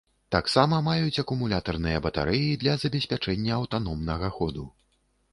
Таксама маюць акумулятарныя батарэі для забеспячэння аўтаномнага ходу.